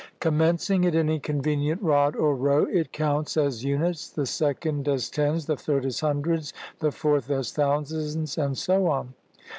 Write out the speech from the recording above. Com mencing at any convenient rod or row, it counts as units, the second as tens, the third as hundreds, the fourth as thousands, and so on.